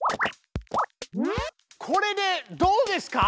これでどうですか？